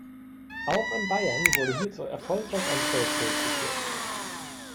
Auch in Bayern wurde hierzu erfolgreich ein Projekt durchgeführt.